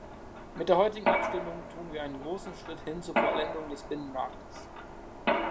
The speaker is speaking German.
Mit der heutigen Abstimmung tun wir einen großen Schritt hin zur Vollendung des Binnenmarktes.